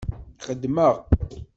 Xeddmeɣ.